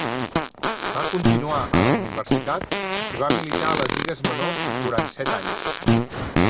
Va continuar a la universitat i va militar a les lligues menors durant set anys.